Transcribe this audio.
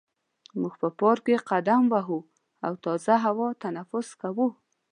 موږ په پارک کې قدم وهو او تازه هوا تنفس کوو.